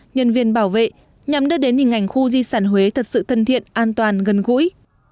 nhân viên bảo vệ nhằm đưa đến hình ảnh khu di sản huế thật sự thân thiện an toàn gần gũi